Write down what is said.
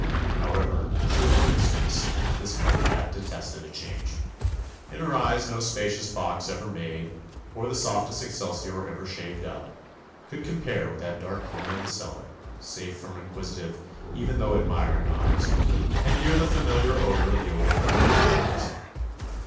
However, true to her instincts, this 25 THE ADVENTURES OF mother cat detested a change. In her eyes no spacious box ever made, or the softest excelsior ever shaved up, could compare with that dark corner of the cellar, safe from inquisitive, even though admiring, eyes, and near the familiar odor of the old leather mail bags.